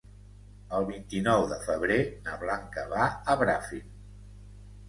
El vint-i-nou de febrer na Blanca va a Bràfim.